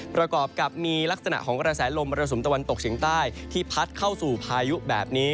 ประกอบกับมีลักษณะของกระแสลมมรสุมตะวันตกเฉียงใต้ที่พัดเข้าสู่พายุแบบนี้